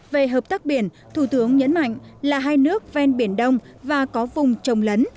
về hợp tác biển thủ tướng nhấn mạnh là hai nước ven biển đông và có vùng trồng lấn